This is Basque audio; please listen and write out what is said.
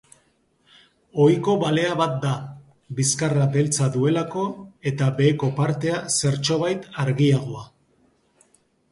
Ohiko balea bat da, bizkarra beltza duelako eta beheko partea zertxobait argiagoa.